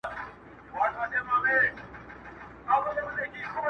نه مي کوئ گراني، خو ستا لپاره کيږي ژوند~